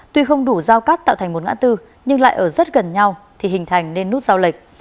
tuy không đủ giao cắt tạo thành một ngã tư nhưng lại ở rất gần nhau thì hình thành nên nút giao lịch